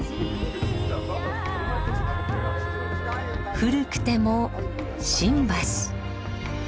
古くても新橋。